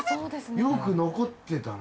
よく残ってたな。